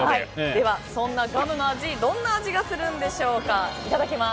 では、そんなガムの味どんな味がするんでしょうか。